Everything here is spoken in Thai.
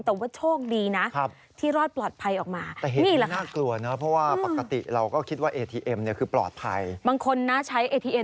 แต่ว่าโชคดีนะที่รอดปลอดภัยออกมา